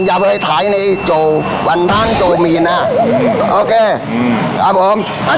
อย่าไปถ่ายในโจววันทานโจวมีนอ่ะอืมโอเคอืมอ่าผมอ่า